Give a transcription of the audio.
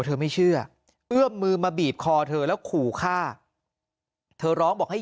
เธอไม่เชื่อเอื้อมมือมาบีบคอเธอแล้วขู่ฆ่าเธอร้องบอกให้